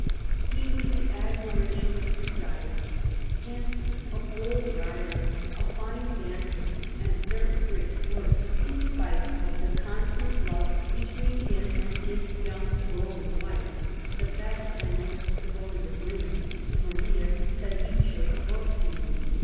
He was the admiration of society^handsome, a bold rider, a fine dancer, and a very great flirt, in spite of the constant love between him and his young Roman 226 CARDINAL DE RICHELIEU wife, the best and most devoted of women, Maria Felice Orsini.